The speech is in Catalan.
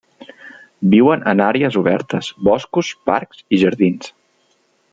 Viuen en àrees obertes, boscos, parcs i jardins.